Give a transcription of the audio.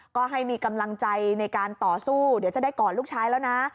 ก็ให้มีกำลังใจในการต่อสู้เดี๋ยวจะได้กอดลูกชายแล้วนะ